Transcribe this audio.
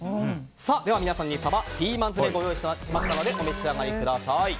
では、皆さんにサバピーマン詰めご用意しましたのでお召し上がりください。